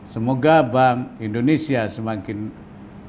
semoga bank indonesia semakin baik